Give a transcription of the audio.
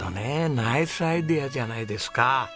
ナイスアイデアじゃないですか。